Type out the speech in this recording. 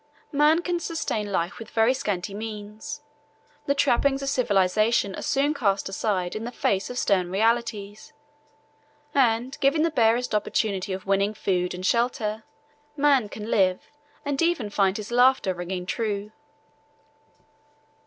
Man can sustain life with very scanty means. The trappings of civilization are soon cast aside in the face of stern realities, and given the barest opportunity of winning food and shelter, man can live and even find his laughter ringing true.